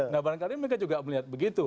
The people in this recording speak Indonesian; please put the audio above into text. nah barangkali mereka juga melihat begitu